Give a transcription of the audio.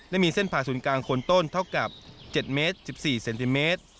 และมีเส้นผ่าศูนย์กลางคนต้นเท่ากับ๗เมตร๑๔เซนติเมตร